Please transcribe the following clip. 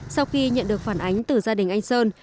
sau khi nhận được phản ánh từ gia đình anh sơn